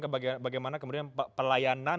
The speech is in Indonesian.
ke bagaimana kemudian pelayanan